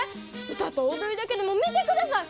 歌と踊りだけでも見てください！